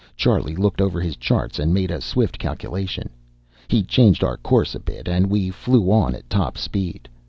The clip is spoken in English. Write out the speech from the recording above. Charlie looked over his charts and made a swift calculation. He changed our course a bit and we flew on at top speed.